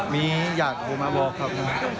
หลากคืนเหตุ